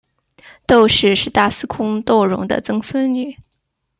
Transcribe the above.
窦氏是大司空窦融的曾孙女。